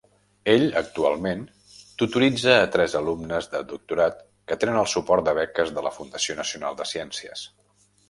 Ell actualment tutoritza a tres alumnes de doctorat que tenen el suport de beques de la Fundació nacional de ciències.